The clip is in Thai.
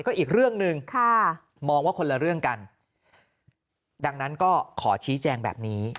ก็อีกเรื่องหนึ่งค่ะมองว่าคนละเรื่องกันดังนั้นก็ขอชี้แจงแบบนี้